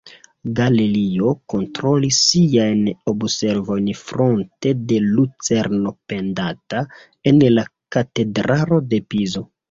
Galilejo kontrolis siajn observojn fronte la lucerno pendanta en la Katedralo de Pizo.